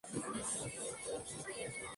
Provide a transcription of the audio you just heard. Es la sede del condado de Siskiyou.